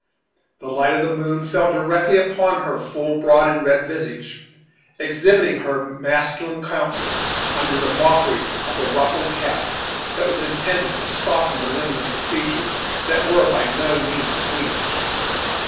The light of the moon fell directly upon her full, broad, and red visage, exhibiting her masculine countenance, under the mockery of a ruffled cap that was intended to soften the lineamints of features that were by no means squeamish.